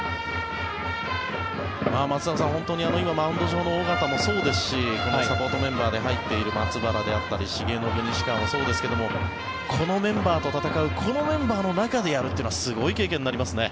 松坂さん、今マウンド上の尾形もそうですしサポートメンバーで入っている松原であったり重信、西川もそうですがこのメンバーと戦うこのメンバーの中でやるというのはすごい経験になりますね。